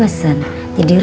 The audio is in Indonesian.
terus tetehnya nggak jadi pesan